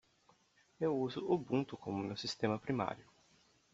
Eu uso Ubuntu como meu sistema primário.